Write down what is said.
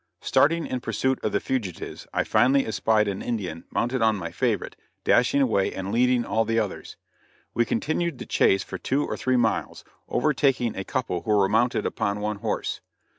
Starting in pursuit of the fugitives I finally espied an Indian mounted on my favorite, dashing away and leading all the others. We continued the chase for two or three miles, overtaking a couple who were mounted upon one horse.